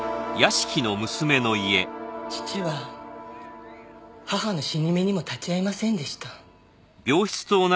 父は母の死に目にも立ち会いませんでした。